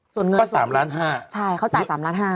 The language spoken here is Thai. ส่วนเงินก็๓๕๐๐๐๐๐บาทใช่เขาจ่าย๓๕๐๐๐๐๐บาท